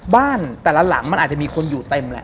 บ้านแต่ละหลังมันอาจจะมีคนอยู่เต็มแหละ